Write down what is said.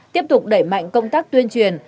tiếp tục đẩy mạnh công tác tuyên truyền